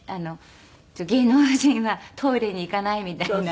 芸能人はトイレに行かないみたいな。